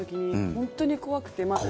本当に怖くて。